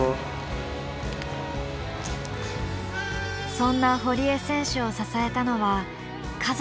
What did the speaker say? そんな堀江選手を支えたのは家族の存在。